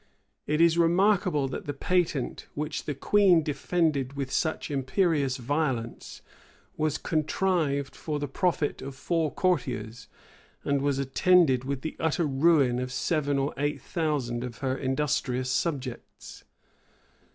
It is remarkable that the patent, which the queen defended with such imperious violence, was contrived for the profit of four courtiers, and was attended with the utter ruin of seven or eight thousand of her industrious subjects.